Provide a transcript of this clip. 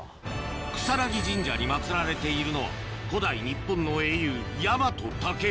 草薙神社に祭られているのは古代日本の英雄ヤマトタケル